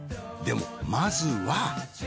でもまずは。